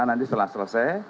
nanti setelah selesai